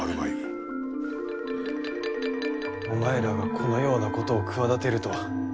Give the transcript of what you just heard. お前らがこのようなことを企てるとは。